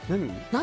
何？